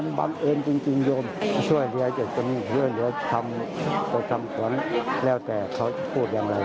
ความเร็วแต่เขาพูดอย่างไร